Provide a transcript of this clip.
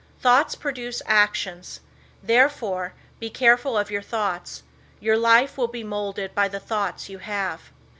Thoughts produce actions. Therefore be careful of your thoughts. Your life will be molded by the thoughts you have.